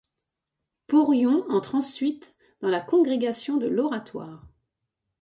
Porion entre ensuite dans la congrégation de l'Oratoire.